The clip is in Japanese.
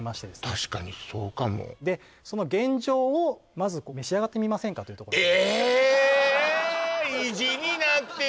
確かにそうかもでその現状をまず召し上がってみませんかとええ初めてですか？